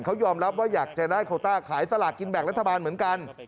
เขายอมรับว่าอยากจะได้โคต้าขายสลากกินแบ่งรัฐบาลเหมือนกัน